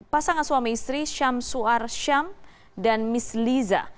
pasangan suami istri syamsuar syam dan miss liza